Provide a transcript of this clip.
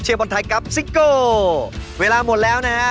บอลไทยกับซิโก้เวลาหมดแล้วนะฮะ